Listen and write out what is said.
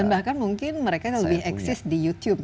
dan bahkan mungkin mereka lebih exist di youtube